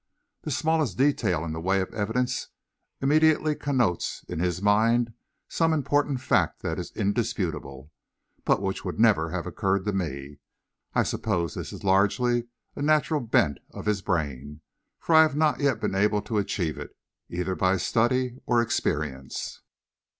The smallest detail in the way of evidence immediately connotes in his mind some important fact that is indisputable, but which would never have occurred to me. I suppose this is largely a natural bent of his brain, for I have not yet been able to achieve it, either by study or experience.